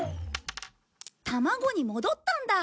卵に戻ったんだ。